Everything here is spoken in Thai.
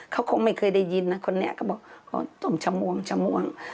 เขาคงไม่เคยได้ยินนะคนนี้ก็บอกต้มฉมวงฉมวง